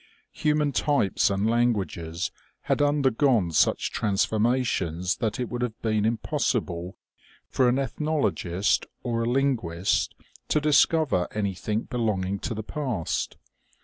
Human types and languages had undergone such transformations that it would have been impossible for an ethnologist or a linguist to discover anything belonging to the past.